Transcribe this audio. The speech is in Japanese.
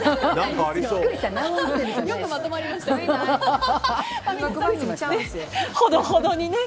よくまとまりましたね。